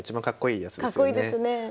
かっこいいですね。